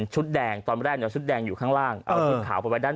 แดงตอนแรกเนี่ยชุดแดงอยู่ข้างล่างเอาชุดขาวไปไว้ด้าน